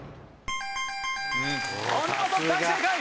お見事大正解！